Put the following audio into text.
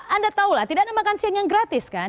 anda tahu lah tidak ada makan siang yang gratis kan